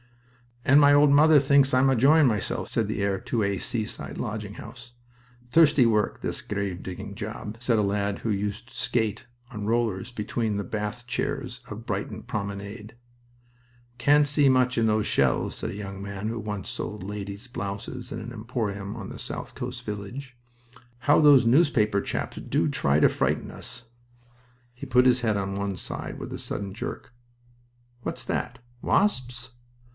"And my old mother thinks I'm enjoying myself!" said the heir to a seaside lodging house. "Thirsty work, this grave digging job," said a lad who used to skate on rollers between the bath chairs of Brighton promenade. "Can't see much in those shells," said a young man who once sold ladies' blouses in an emporium of a south coast village. "How those newspaper chaps do try to frighten us!" He put his head on one side with a sudden jerk. "What's that? Wasps?"